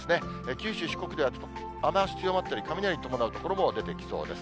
九州、四国では雨足強まったり、雷を伴う所も出てきそうです。